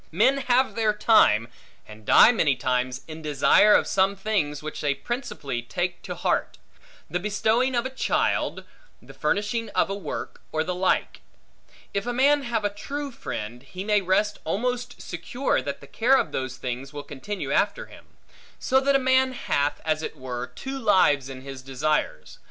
Men have their time, and die many times, in desire of some things which they principally take to heart; the bestowing of a child, the finishing of a work, or the like. If a man have a true friend, he may rest almost secure that the care of those things will continue after him. So that a man hath, as it were, two lives in his desires.